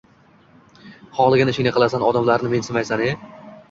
Xohlagan ishingni qilasan, odamlarni mensimaysan, e!